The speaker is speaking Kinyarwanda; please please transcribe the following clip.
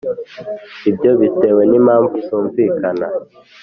Ibyo bitewe n’impamvu zumvikana